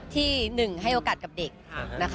ที่๑ให้โอกาสกับเด็กนะคะ